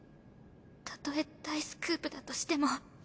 たとえ大スクープだとしても。